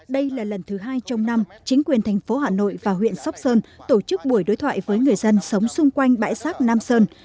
đây là lần thứ hai trong năm chính quyền thành phố hà nội và huyện sóc sơn tổ chức buổi đối thoại với người dân sống xung quanh bãi rác nam sơn